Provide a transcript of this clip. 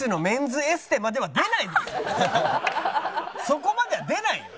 そこまでは出ないよ。